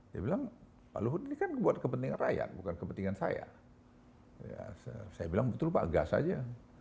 dia bilang pak luhut ini kan buat kepentingan rakyat bukan kepentingan saya saya bilang betul pak gas aja